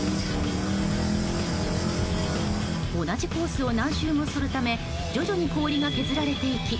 同じコースを何周もするため徐々に氷が削られていき